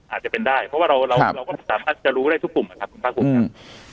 อาจจะเป็นได้เพราะว่าเราก็สามารถจะรู้ได้ทุกกลุ่มนะครับคุณภาคภูมิครับ